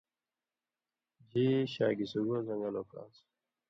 جی شا گی سُگاؤ زن٘گل اوک آن٘س۔